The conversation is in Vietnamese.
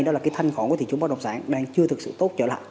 đó là cái thanh khoản của thị trường bất động sản đang chưa thực sự tốt trở lại